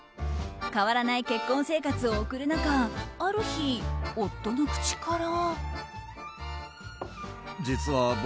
変わらない結婚生活を送る中ある日、夫の口から。